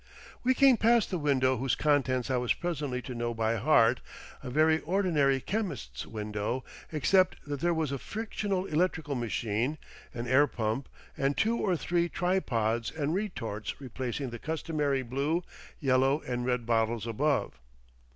We came past the window whose contents I was presently to know by heart, a very ordinary chemist's window except that there was a frictional electrical machine, an air pump and two or three tripods and retorts replacing the customary blue, yellow, and red bottles above.